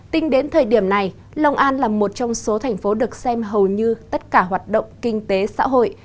tính đến thời điểm này long an là một trong số thành phố được xem hầu như tất cả hoạt động kinh tế xã hội